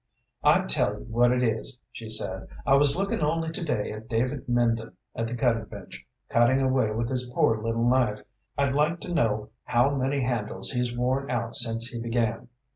I tell you what it is," she said, "I was lookin' only to day at David Mendon at the cutting bench, cutting away with his poor little knife. I'd like to know how many handles he's worn out since he began.